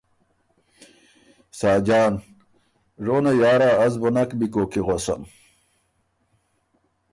ساجان ـــ”ژونه یارا از بُو نک بی کوک کی غوَسم،